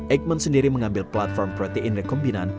eijkman sendiri mengambil platform protein rekombinan